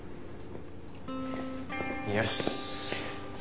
よし。